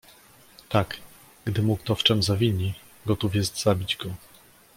"tak, gdy mu kto w czem zawini, gotów jest zabić go."